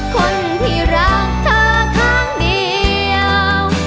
คนที่รักเธอข้างเดียว